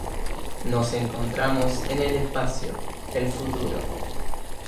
Nos encontramos en el espacio, el futuro.